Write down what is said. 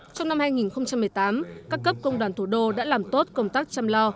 trong năm hai nghìn một mươi tám các cấp công đoàn thủ đô đã làm tốt công tác chăm lo